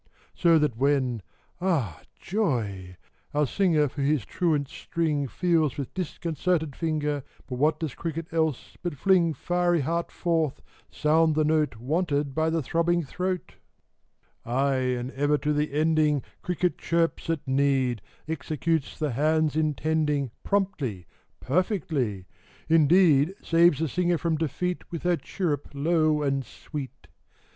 So that when (Ah, joy !) our singer For his truant string Feels with disconcerted finger, What does cricket else but fling Fiery heart forth, sound the note Wanted by the throbbing throat? 72 THE BOYS' BROWNING. Ay, and ever to the ending, Cricket chirps at need, Executes the hand's intending, Promptly, perfectly, — indeed Saves the singer from defeat With her chirrup low and sweet.